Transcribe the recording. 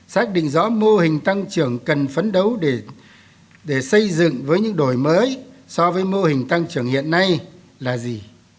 xác định rõ mô hình tăng trưởng cần phấn đấu để xây dựng với những đổi mới so với mô hình tăng trưởng hiện nay là gì